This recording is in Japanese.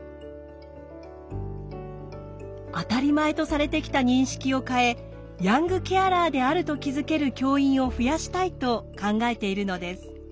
「当たり前」とされてきた認識を変えヤングケアラーであると気づける教員を増やしたいと考えているのです。